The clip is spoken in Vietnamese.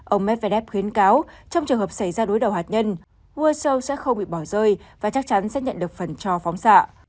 ông medvedev khuyến cáo trong trường hợp xảy ra đối đầu hạt nhân world show sẽ không bị bỏ rơi và chắc chắn sẽ nhận được phần cho phóng xạ